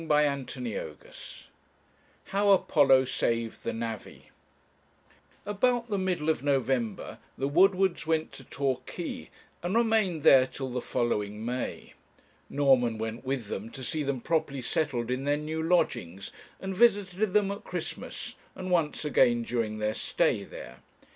CHAPTER XXXI HOW APOLLO SAVED THE NAVVY About the middle of November, the Woodwards went to Torquay, and remained there till the following May. Norman went with them to see them properly settled in their new lodgings, and visited them at Christmas, and once again during their stay there.